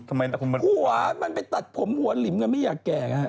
หัวมันไปตัดผมหัวหลิมกันไม่อยากแก่